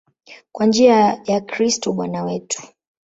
Kwa njia ya Kristo Bwana wetu.